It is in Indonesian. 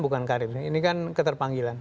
bukan karir ini kan keterpanggilan